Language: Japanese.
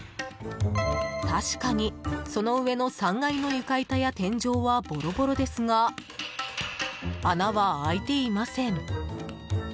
確かに、その上の３階の床板や天井はボロボロですが穴は開いていません。